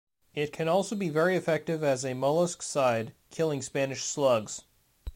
It can also be very effective as a molluscicide, killing spanish slugs.